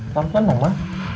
pelan pelan dong ma